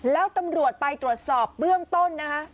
แล้วตำรวจไปตรวจสอบเบื้องต้นนะคะ